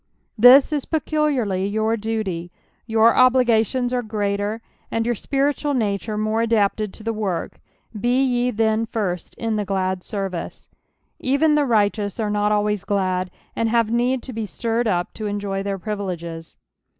This is pecu liarly jour duty, your obligations are ^rAfer, and your spiritual nature more mdapted to the work, be ye then first in the glad service. Even the righteous aro not alivajs glad, and have need to be stirred up to enjoy their privileges.